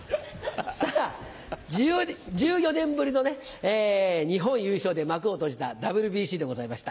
さぁ１４年ぶりの日本優勝で幕を閉じたＷＢＣでございました。